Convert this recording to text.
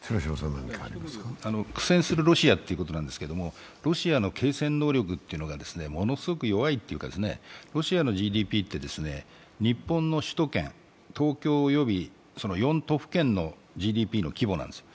苦戦するロシアってことなんですけど、ロシアの継戦能力がものすごく弱いというか、ロシアのＧＤＰは日本の首都圏、東京及び４都府県のＧＤＰの規模なんです。